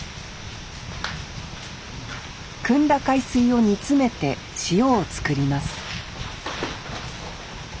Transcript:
くんだ海水を煮詰めて塩を作ります